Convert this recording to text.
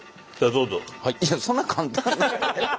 いやそんな簡単に。